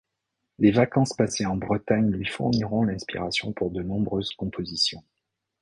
Les vacances passées en Bretagne lui fourniront l'inspiration pour de nombreuses compositions.